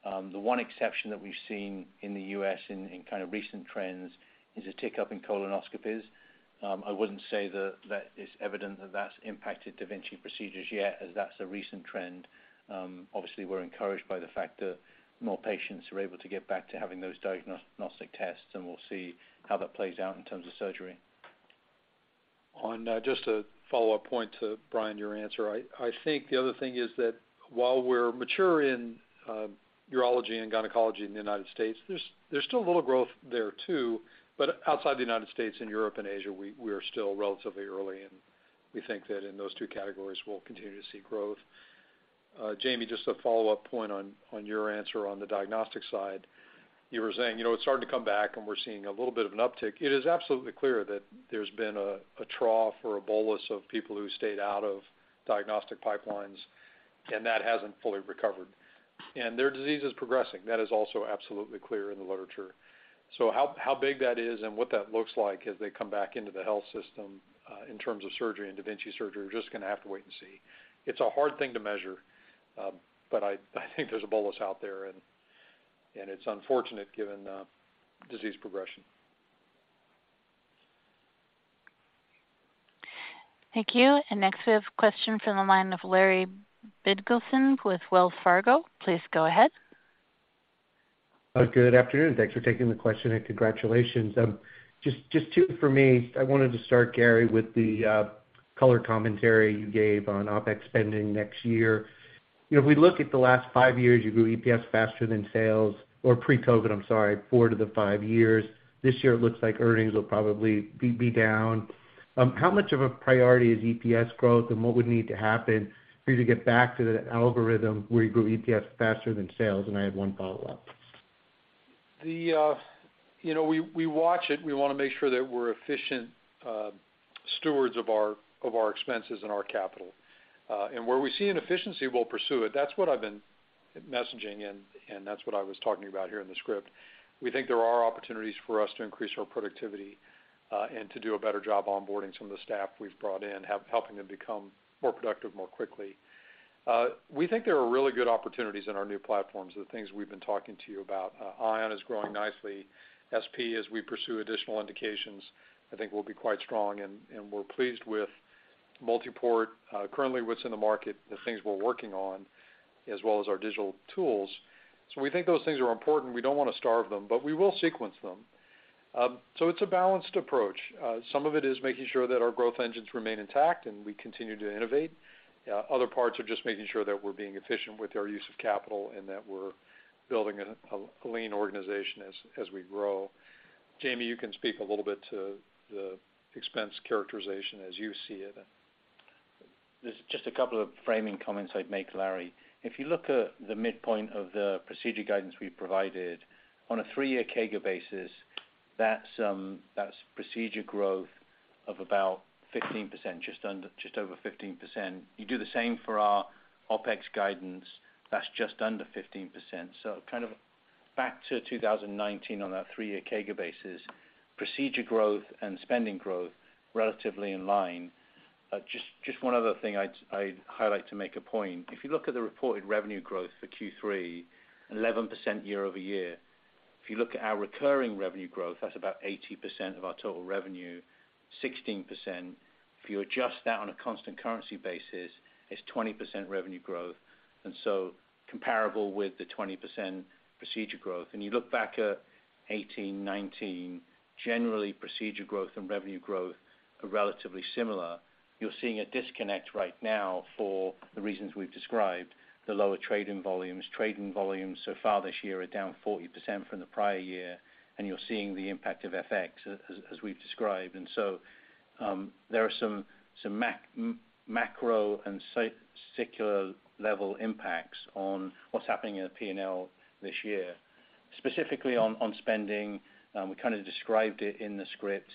The one exception that we've seen in the U.S. in kind of recent trends is a tick-up in colonoscopies. I wouldn't say that is evident that that's impacted da Vinci procedures yet, as that's a recent trend. Obviously, we're encouraged by the fact that more patients are able to get back to having those diagnostic tests, and we'll see how that plays out in terms of surgery. Just a follow-up point to Brian, your answer. I think the other thing is that while we're mature in urology and gynecology in the United States, there's still a little growth there too. Outside the United States, in Europe and Asia, we are still relatively early, and we think that in those two categories, we'll continue to see growth. Jamie, just a follow-up point on your answer on the diagnostic side. You were saying, you know, it's starting to come back, and we're seeing a little bit of an uptick. It is absolutely clear that there's been a trough or a bolus of people who stayed out of diagnostic pipelines, and that hasn't fully recovered. Their disease is progressing. That is also absolutely clear in the literature. How big that is and what that looks like as they come back into the health system, in terms of surgery and da Vinci surgery, we're just gonna have to wait and see. It's a hard thing to measure, but I think there's a bolus out there, and it's unfortunate given disease progression. Thank you. Next we have a question from the line of Larry Biegelsen with Wells Fargo. Please go ahead. Good afternoon. Thanks for taking the question, and congratulations. Just two for me. I wanted to start, Gary, with the color commentary you gave on OpEx spending next year. You know, if we look at the last five years, you grew EPS faster than sales, or pre-COVID, I'm sorry, four to the five years. This year it looks like earnings will probably be down. How much of a priority is EPS growth and what would need to happen for you to get back to the algorithm where you grew EPS faster than sales? I have one follow-up. You know, we watch it. We wanna make sure that we're efficient stewards of our expenses and our capital. Where we see an efficiency, we'll pursue it. That's what I've been messaging, and that's what I was talking about here in the script. We think there are opportunities for us to increase our productivity and to do a better job onboarding some of the staff we've brought in, helping them become more productive more quickly. We think there are really good opportunities in our new platforms, the things we've been talking to you about. Ion is growing nicely. SP, as we pursue additional indications, I think will be quite strong, and we're pleased with multi-port currently, what's in the market, the things we're working on, as well as our digital tools. We think those things are important. We don't wanna starve them, but we will sequence them. It's a balanced approach. Some of it is making sure that our growth engines remain intact and we continue to innovate. Other parts are just making sure that we're being efficient with our use of capital and that we're building a lean organization as we grow. Jamie, you can speak a little bit to the expense characterization as you see it. There's just a couple of framing comments I'd make, Larry. If you look at the midpoint of the procedure guidance we provided, on a three-year CAGR basis, that's procedure growth of about 15%, just over 15%. You do the same for our OpEx guidance, that's just under 15%. Kind of back to 2019 on that three-year CAGR basis, procedure growth and spending growth relatively in line. Just one other thing I'd highlight to make a point. If you look at the reported revenue growth for Q3, 11% year-over-year. If you look at our recurring revenue growth, that's about 80% of our total revenue, 16%. If you adjust that on a constant currency basis, it's 20% revenue growth, and so comparable with the 20% procedure growth. You look back at 2018, 2019, generally procedure growth and revenue growth are relatively similar. You're seeing a disconnect right now for the reasons we've described, the lower trade-in volumes. Trade-in volumes so far this year are down 40% from the prior year, and you're seeing the impact of FX as we've described. There are some macro and secular level impacts on what's happening in the P&L this year. Specifically on spending, we kind of described it in the script.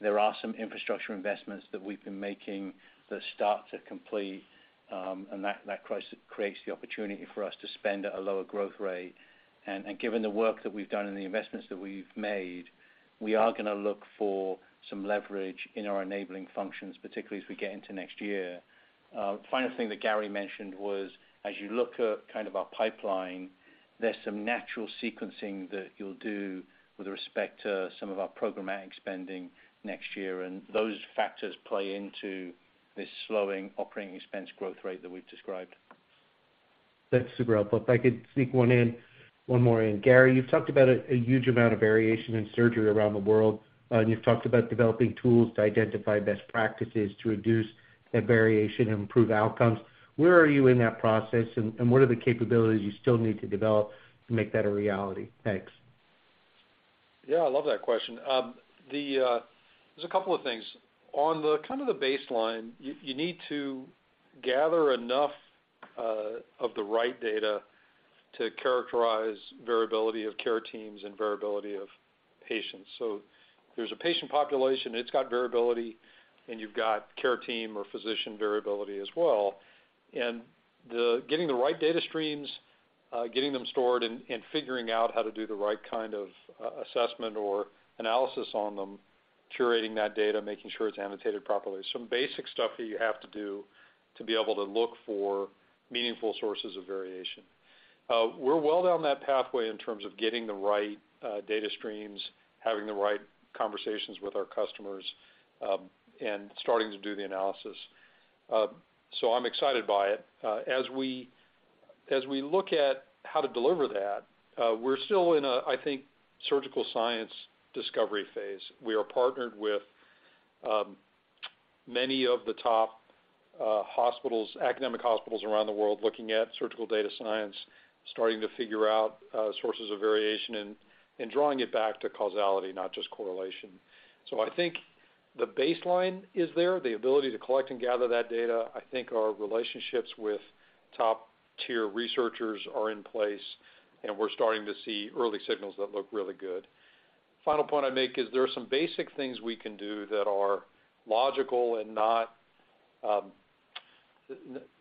There are some infrastructure investments that we've been making that start to complete, and that creates the opportunity for us to spend at a lower growth rate. Given the work that we've done and the investments that we've made, we are gonna look for some leverage in our enabling functions, particularly as we get into next year. Final thing that Gary mentioned was as you look at kind of our pipeline, there's some natural sequencing that you'll do with respect to some of our programmatic spending next year, and those factors play into this slowing operating expense growth rate that we've described. That's super helpful. If I could sneak one in, one more in. Gary, you've talked about a huge amount of variation in surgery around the world, and you've talked about developing tools to identify best practices to reduce that variation and improve outcomes. Where are you in that process, and what are the capabilities you still need to develop to make that a reality? Thanks. Yeah. I love that question. There's a couple of things. On the kind of baseline, you need to gather enough of the right data to characterize variability of care teams and variability of patients. There's a patient population, it's got variability, and you've got care team or physician variability as well. Getting the right data streams, getting them stored and figuring out how to do the right kind of assessment or analysis on them, curating that data, making sure it's annotated properly. Some basic stuff that you have to do to be able to look for meaningful sources of variation. We're well down that pathway in terms of getting the right data streams, having the right conversations with our customers, and starting to do the analysis. I'm excited by it. As we look at how to deliver that, we're still in a, I think, surgical science discovery phase. We are partnered with many of the top hospitals, academic hospitals around the world looking at surgical data science, starting to figure out sources of variation and drawing it back to causality, not just correlation. I think the baseline is there, the ability to collect and gather that data. I think our relationships with top-tier researchers are in place, and we're starting to see early signals that look really good. Final point I'd make is there are some basic things we can do that are logical and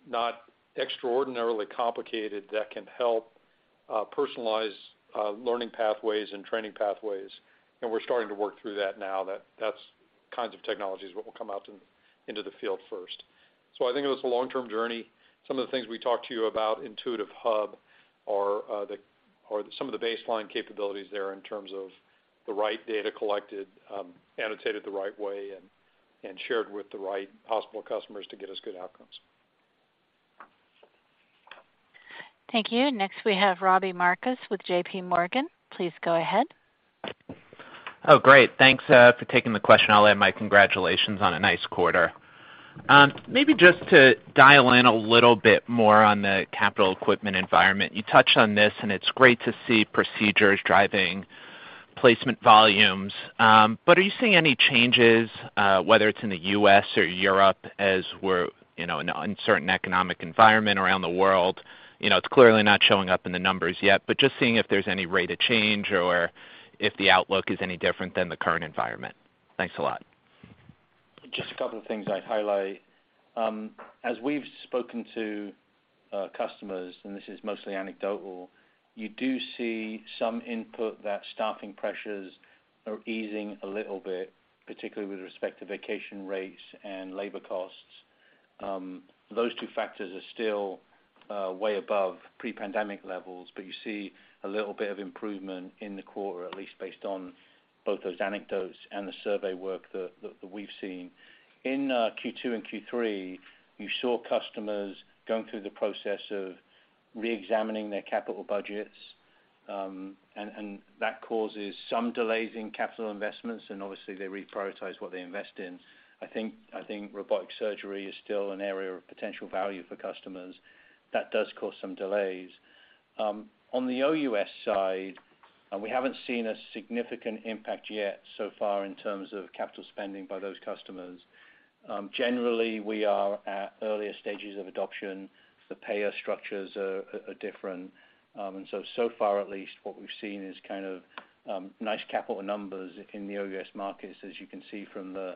not extraordinarily complicated that can help personalize learning pathways and training pathways. We're starting to work through that now. That's kinds of technologies, what will come out into the field first. I think it was a long-term journey. Some of the things we talked to you about, Intuitive Hub, are or some of the baseline capabilities there in terms of the right data collected, annotated the right way and shared with the right possible customers to get us good outcomes. Thank you. Next, we have Robbie Marcus with JPMorgan. Please go ahead. Oh, great. Thanks for taking the question. I'll add my congratulations on a nice quarter. Maybe just to dial in a little bit more on the capital equipment environment. You touched on this, and it's great to see procedures driving placement volumes. Are you seeing any changes, whether it's in the U.S. or Europe as we're, you know, in an uncertain economic environment around the world? You know, it's clearly not showing up in the numbers yet, but just seeing if there's any rate of change or if the outlook is any different than the current environment. Thanks a lot. Just a couple of things I'd highlight. As we've spoken to customers, and this is mostly anecdotal, you do see some input that staffing pressures are easing a little bit, particularly with respect to vacation rates and labor costs. Those two factors are still way above pre-pandemic levels, but you see a little bit of improvement in the quarter, at least based on both those anecdotes and the survey work that we've seen. In Q2 and Q3, you saw customers going through the process of reexamining their capital budgets, and that causes some delays in capital investments, and obviously, they reprioritize what they invest in. I think robotic surgery is still an area of potential value for customers. That does cause some delays. On the OUS side, we haven't seen a significant impact yet so far in terms of capital spending by those customers. Generally, we are at earlier stages of adoption. The payer structures are different. So far at least, what we've seen is kind of nice capital numbers in the OUS markets, as you can see from the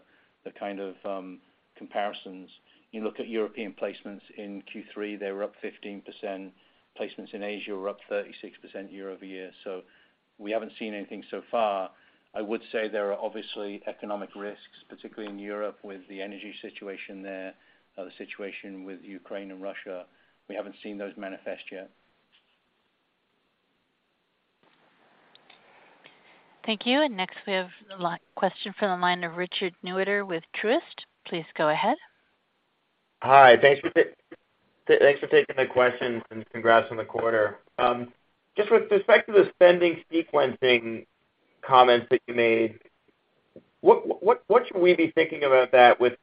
comparisons. You look at European placements in Q3, they were up 15%. Placements in Asia were up 36% year-over-year. We haven't seen anything so far. I would say there are obviously economic risks, particularly in Europe with the energy situation there, the situation with Ukraine and Russia. We haven't seen those manifest yet. Thank you. Next, we have a question from the line of Richard Newitter with Truist. Please go ahead. Hi. Thanks for taking the questions, and congrats on the quarter. Just with respect to the spending sequencing comments that you made, what should we be thinking about that with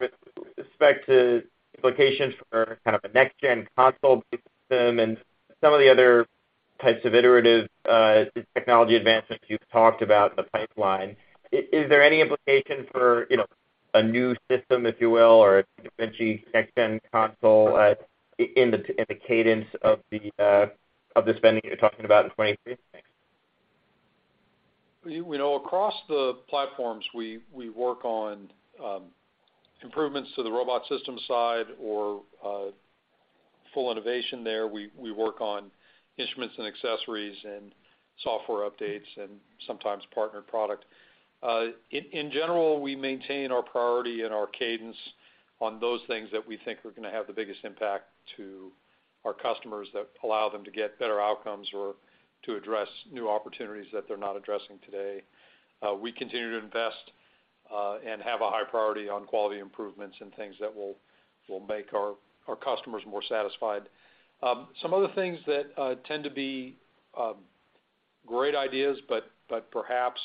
respect to implications for kind of a next gen console system and some of the other types of iterative, technology advancements you've talked about in the pipeline. Is there any implication for, you know, a new system, if you will, or a da Vinci X console, in the cadence of the spending you're talking about in 2023? Thanks. We know across the platforms, we work on improvements to the robot system side or full innovation there. We work on instruments and accessories and software updates and sometimes partnered product. In general, we maintain our priority and our cadence on those things that we think are gonna have the biggest impact to our customers that allow them to get better outcomes or to address new opportunities that they're not addressing today. We continue to invest and have a high priority on quality improvements and things that will make our customers more satisfied. Some of the things that tend to be great ideas but perhaps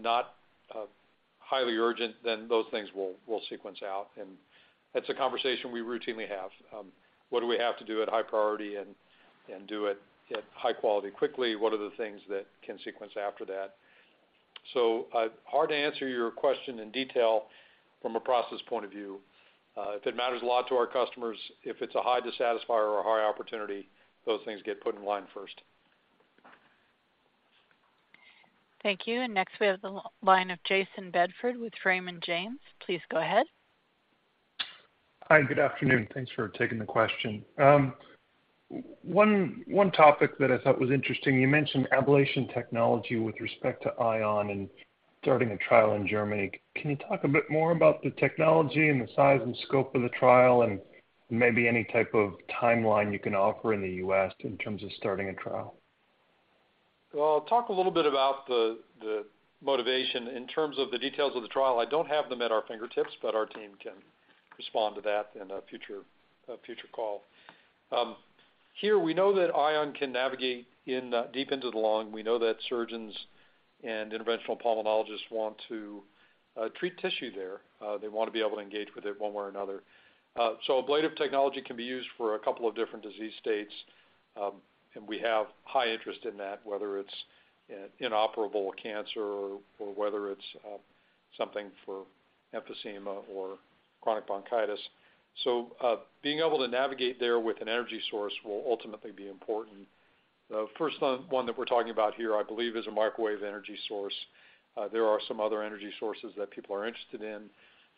not highly urgent, then those things we'll sequence out. That's a conversation we routinely have. What do we have to do at high priority and do it at high quality quickly? What are the things that can sequence after that? Hard to answer your question in detail from a process point of view. If it matters a lot to our customers, if it's a high dissatisfier or a high opportunity, those things get put in line first. Thank you. Next, we have the line of Jayson Bedford with Raymond James. Please go ahead. Hi. Good afternoon. Thanks for taking the question. One topic that I thought was interesting, you mentioned ablation technology with respect to Ion and starting a trial in Germany. Can you talk a bit more about the technology and the size and scope of the trial and maybe any type of timeline you can offer in the U.S. in terms of starting a trial? Well, I'll talk a little bit about the motivation. In terms of the details of the trial, I don't have them at our fingertips, but our team can respond to that in a future call. Here we know that Ion can navigate in deep into the lung. We know that surgeons and interventional pulmonologists want to treat tissue there. They wanna be able to engage with it one way or another. Ablative technology can be used for a couple of different disease states. We have high interest in that, whether it's inoperable cancer or whether it's something for emphysema or chronic bronchitis. Being able to navigate there with an energy source will ultimately be important. The first one that we're talking about here, I believe, is a microwave energy source. There are some other energy sources that people are interested in.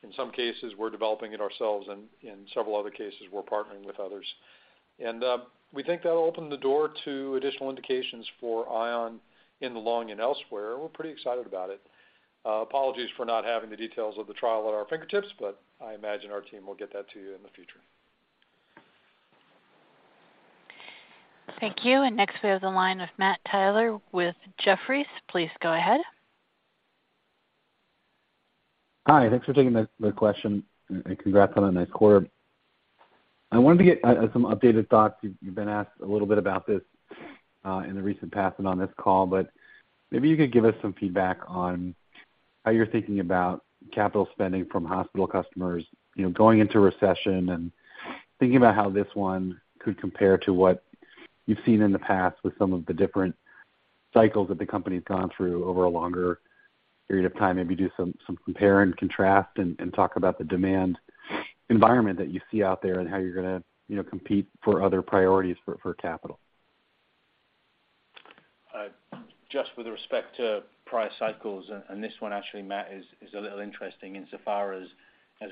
In some cases, we're developing it ourselves, and in several other cases, we're partnering with others. We think that'll open the door to additional indications for Ion in the lung and elsewhere. We're pretty excited about it. Apologies for not having the details of the trial at our fingertips, but I imagine our team will get that to you in the future. Thank you. Next, we have the line with Matt Taylor with Jefferies. Please go ahead. Hi. Thanks for taking the question, and congrats on a nice quarter. I wanted to get some updated thoughts. You've been asked a little bit about this in the recent past and on this call, but maybe you could give us some feedback on how you're thinking about capital spending from hospital customers, you know, going into recession and thinking about how this one could compare to what you've seen in the past with some of the different cycles that the company's gone through over a longer period of time. Maybe do some compare and contrast and talk about the demand environment that you see out there and how you're gonna, you know, compete for other priorities for capital. Just with respect to prior cycles, and this one actually, Matt, is a little interesting insofar as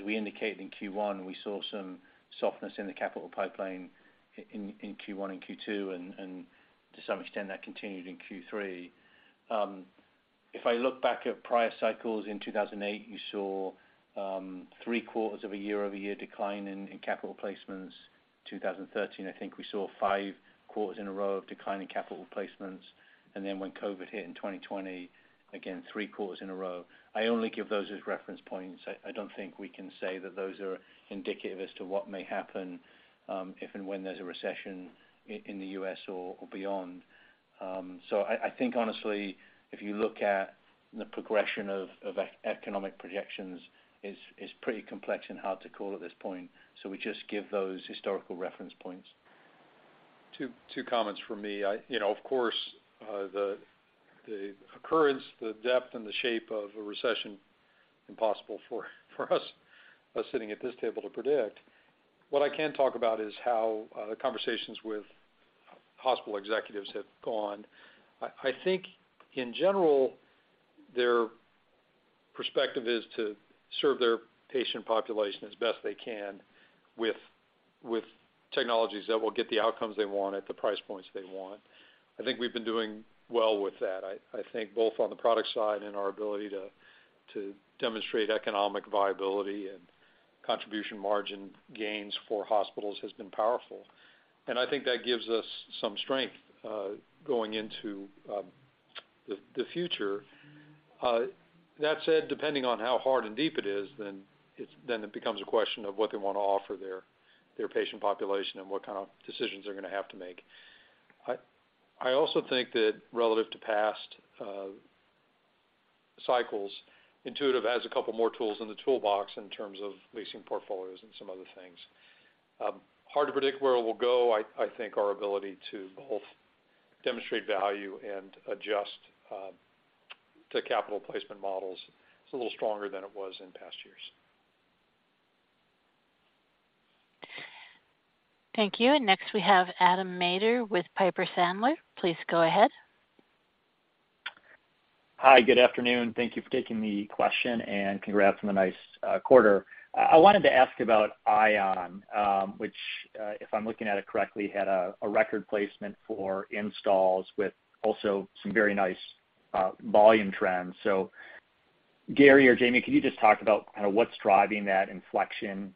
we indicated in Q1, we saw some softness in the capital pipeline in Q1 and Q2, and to some extent that continued in Q3. If I look back at prior cycles, in 2008, you saw three quarters of a year-over-year decline in capital placements. 2013, I think we saw five quarters in a row of declining capital placements. Then when COVID hit in 2020, again, three quarters in a row. I only give those as reference points. I don't think we can say that those are indicative as to what may happen, if and when there's a recession in the U.S. or beyond. I think honestly, if you look at the progression of economic projections is pretty complex and hard to call at this point. We just give those historical reference points. Two comments from me. You know, of course, the occurrence, the depth, and the shape of a recession impossible for us sitting at this table to predict. What I can talk about is how the conversations with hospital executives have gone. I think in general, their perspective is to serve their patient population as best they can with technologies that will get the outcomes they want at the price points they want. I think we've been doing well with that. I think both on the product side and our ability to demonstrate economic viability and contribution margin gains for hospitals has been powerful. I think that gives us some strength going into the future. That said, depending on how hard and deep it is, it becomes a question of what they wanna offer their patient population and what kind of decisions they're gonna have to make. I also think that relative to past cycles, Intuitive has a couple more tools in the toolbox in terms of leasing portfolios and some other things. Hard to predict where it will go. I think our ability to both demonstrate value and adjust the capital placement models is a little stronger than it was in past years. Thank you. Next we have Adam Maeder with Piper Sandler. Please go ahead. Hi. Good afternoon. Thank you for taking the question, and congrats on a nice quarter. I wanted to ask about Ion, which, if I'm looking at it correctly, had a record placement for installs with also some very nice volume trends. Gary or Jamie, can you just talk about kind of what's driving that inflection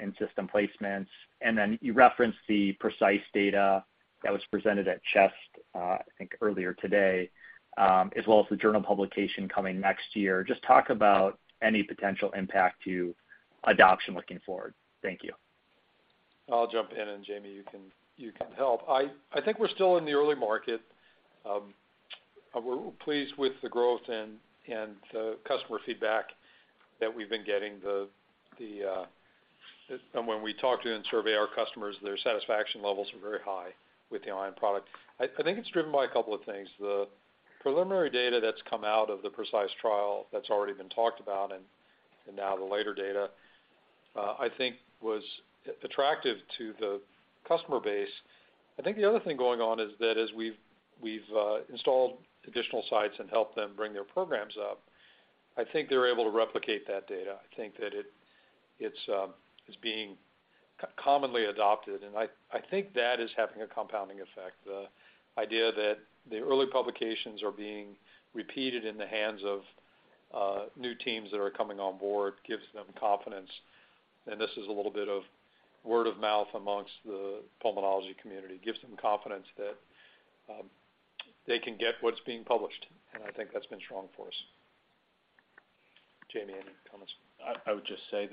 in system placements? Then you referenced the PRECIsE data that was presented at CHEST, I think earlier today, as well as the journal publication coming next year. Just talk about any potential impact to adoption looking forward. Thank you. I'll jump in, and Jamie, you can help. I think we're still in the early market. We're pleased with the growth and customer feedback that we've been getting. When we talk to and survey our customers, their satisfaction levels are very high with the Ion product. I think it's driven by a couple of things. The preliminary data that's come out of the PRECIsE trial that's already been talked about and now the later data I think was attractive to the customer base. I think the other thing going on is that as we've installed additional sites and helped them bring their programs up, I think they're able to replicate that data. I think that it's being commonly adopted, and I think that is having a compounding effect. The idea that the early publications are being repeated in the hands of, new teams that are coming on board gives them confidence. This is a little bit of word of mouth amongst the pulmonology community. Gives them confidence that, they can get what's being published, and I think that's been strong for us. Jamie, any comments? I would just say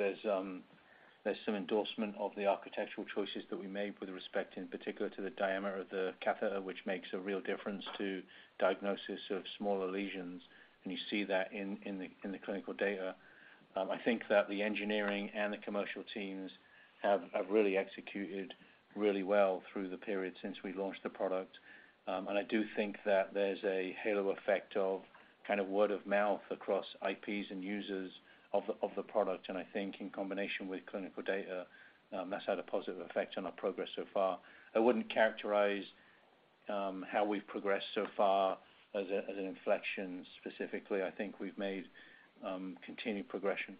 there's some endorsement of the architectural choices that we made with respect in particular to the diameter of the catheter, which makes a real difference to diagnosis of smaller lesions, and you see that in the clinical data. I think that the engineering and the commercial teams have really executed really well through the period since we launched the product. I do think that there's a halo effect of kind of word of mouth across IPs and users of the product. I think in combination with clinical data, that's had a positive effect on our progress so far. I wouldn't characterize how we've progressed so far as an inflection specifically. I think we've made continued progression.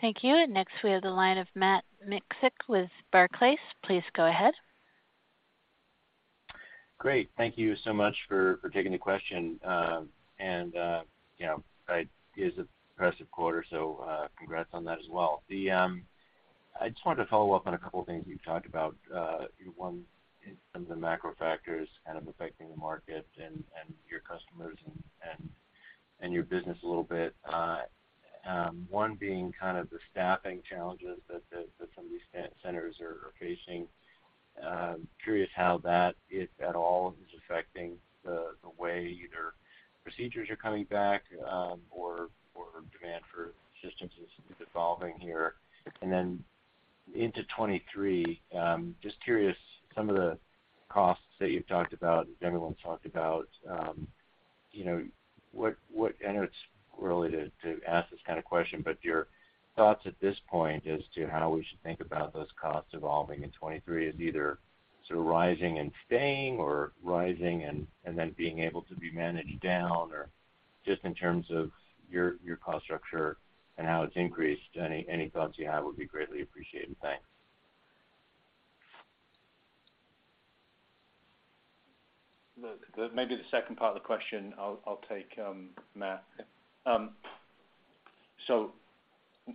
Thank you. Next, we have the line of Matt Miksic with Barclays. Please go ahead. Great. Thank you so much for taking the question. You know, it is an impressive quarter, so congrats on that as well. I just wanted to follow up on a couple things you've talked about. One, in terms of macro factors kind of affecting the market and your customers and your business a little bit. One being kind of the staffing challenges that some of these centers are facing. Curious how that, if at all, is affecting the way either procedures are coming back or demand for systems is evolving here. Then into 2023, just curious, some of the costs that you've talked about, everyone's talked about, you know, what... I know it's squirrely to ask this kind of question, but your thoughts at this point as to how we should think about those costs evolving in 2023 as either sort of rising and staying or rising and then being able to be managed down or just in terms of your cost structure and how it's increased. Any thoughts you have would be greatly appreciated. Thanks. Maybe the second part of the question I'll take, Matt. So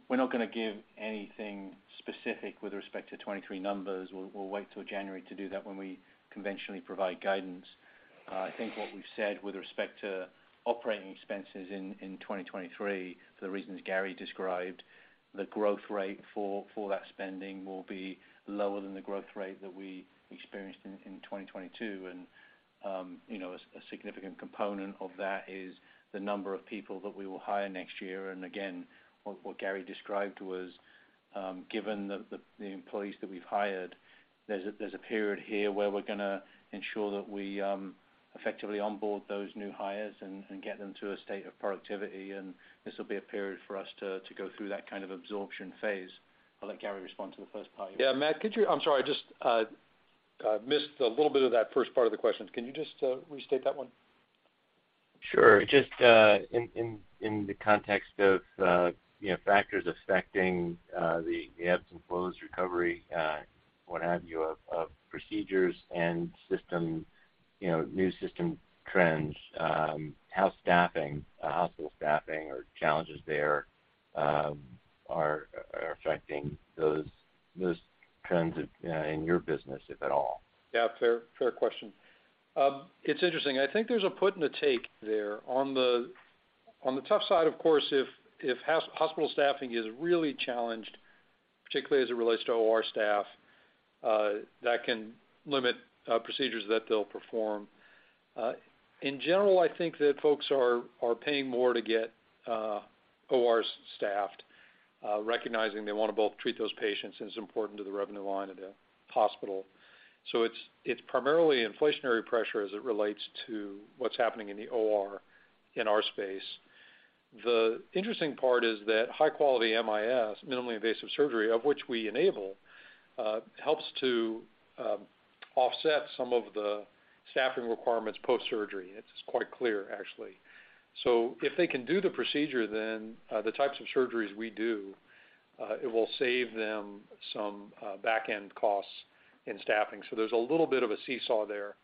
we're not gonna give anything specific with respect to 2023 numbers. We'll wait till January to do that when we conventionally provide guidance. I think what we've said with respect to operating expenses in 2023, for the reasons Gary described, the growth rate for that spending will be lower than the growth rate that we experienced in 2022. You know, a significant component of that is the number of people that we will hire next year. Again, what Gary described was, given the employees that we've hired, there's a period here where we're gonna ensure that we effectively onboard those new hires and get them to a state of productivity. This will be a period for us to go through that kind of absorption phase. I'll let Gary respond to the first part. Yeah. I'm sorry, I just missed a little bit of that first part of the question. Can you just restate that one? Sure. Just in the context of, you know, factors affecting the ebbs and flows, recovery, what have you of procedures and system, you know, new system trends, how staffing, hospital staffing or challenges there are affecting those trends in your business, if at all? Yeah. Fair question. It's interesting. I think there's a put and a take there. On the tough side, of course, if hospital staffing is really challenged, particularly as it relates to OR staff, that can limit procedures that they'll perform. In general, I think that folks are paying more to get ORs staffed, recognizing they wanna both treat those patients and it's important to the revenue line of the hospital. It's primarily inflationary pressure as it relates to what's happening in the OR in our space. The interesting part is that high quality MIS, minimally invasive surgery, of which we enable, helps to offset some of the staffing requirements post-surgery. It's quite clear actually. If they can do the procedure then the types of surgeries we do it will save them some back-end costs in staffing. There's a little bit of a seesaw there.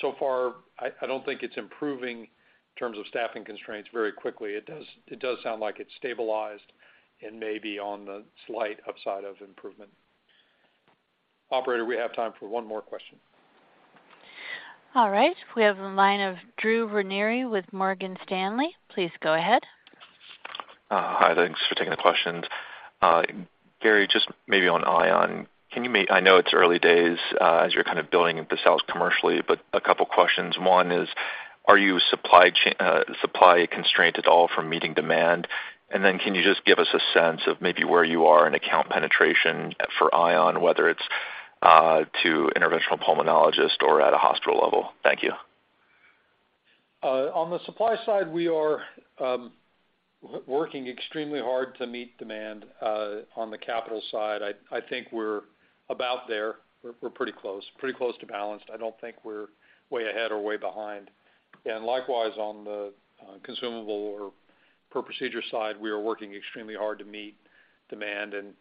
So far I don't think it's improving in terms of staffing constraints very quickly. It does sound like it's stabilized and maybe on the slight upside of improvement. Operator, we have time for one more question. All right. We have the line of Drew Ranieri with Morgan Stanley. Please go ahead. Hi. Thanks for taking the questions. Gary, just maybe on Ion. I know it's early days, as you're kind of building this out commercially, but a couple questions. One is, are you supply constrained at all from meeting demand? And then can you just give us a sense of maybe where you are in account penetration for Ion, whether it's to interventional pulmonologist or at a hospital level? Thank you. On the supply side, we are working extremely hard to meet demand. On the capital side, I think we're about there. We're pretty close to balanced. I don't think we're way ahead or way behind. Likewise, on the consumable or per procedure side, we are working extremely hard to meet demand, and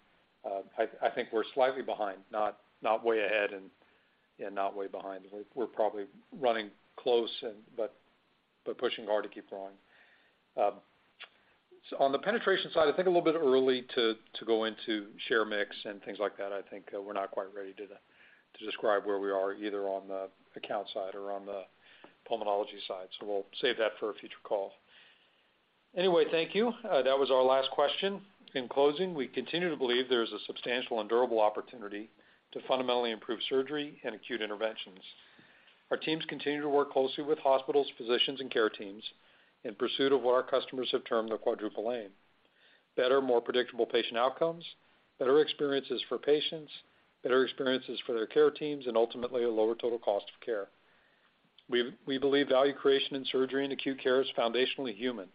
I think we're slightly behind, not way ahead and not way behind. We're probably running close, but pushing hard to keep going. On the penetration side, I think a little bit early to go into share mix and things like that. I think we're not quite ready to describe where we are either on the account side or on the pulmonology side, so we'll save that for a future call. Anyway, thank you. That was our last question. In closing, we continue to believe there is a substantial and durable opportunity to fundamentally improve surgery and acute interventions. Our teams continue to work closely with hospitals, physicians and care teams in pursuit of what our customers have termed the quadruple aim. Better, more predictable patient outcomes, better experiences for patients, better experiences for their care teams, and ultimately, a lower total cost of care. We believe value creation in surgery and acute care is foundationally human.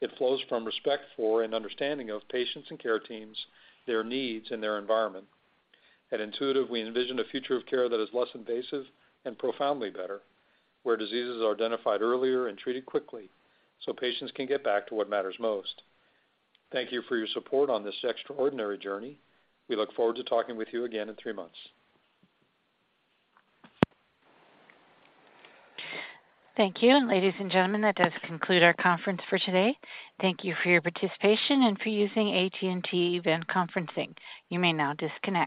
It flows from respect for and understanding of patients and care teams, their needs and their environment. At Intuitive, we envision a future of care that is less invasive and profoundly better, where diseases are identified earlier and treated quickly so patients can get back to what matters most. Thank you for your support on this extraordinary journey. We look forward to talking with you again in three months. Thank you. Ladies and gentlemen, that does conclude our conference for today. Thank you for your participation and for using AT&T Event Conferencing. You may now disconnect.